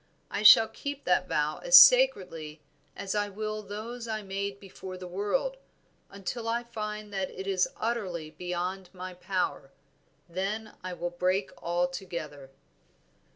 I shall keep that vow as sacredly as I will those I made before the world, until I find that it is utterly beyond my power, then I will break all together."